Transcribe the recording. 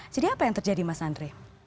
jadi apa yang terjadi mas andre